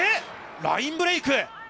ラインブレイク。